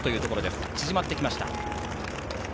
差が縮まってきました。